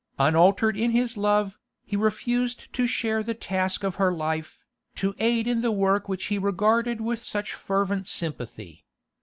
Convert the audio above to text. Unaltered in his love, he refused to share the task of her life, to aid in the work which he regarded with such fervent sympathy.